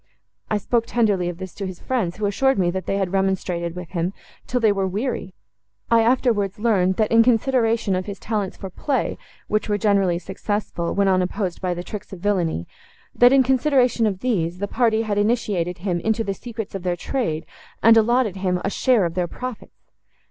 I spoke tenderly of this to his friends, who assured me, that they had remonstrated with him, till they were weary. I afterwards learned, that, in consideration of his talents for play, which were generally successful, when unopposed by the tricks of villany,—that in consideration of these, the party had initiated him into the secrets of their trade, and allotted him a share of their profits."